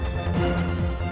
gua ngerjain dia